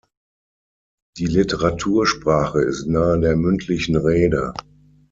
Die Literatursprache ist nahe der mündlichen Rede.